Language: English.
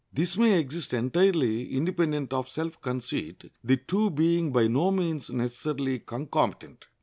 This may exist entirely independent of self conceit, the two being by no means necessarily concomitant.